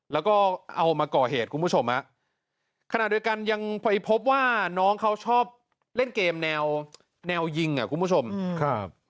แล้วก็เอามาก่อเหตุคุณผู้ชมฮะขณะเดียวกันยังไปพบว่าน้องเขาชอบเล่นเกมแนวแนวยิงอ่ะคุณผู้ชมครับ